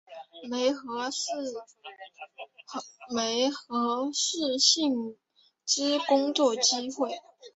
媒合适性之工作机会